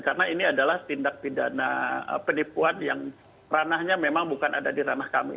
karena ini adalah tindak tindana penipuan yang ranahnya memang bukan ada di ranah kami